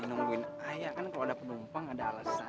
nungguin ayah kan kalau ada penumpang ada alasan